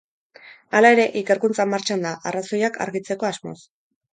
Hala ere, ikerkuntza martxan da, arrazoiak argitzeko asmoz.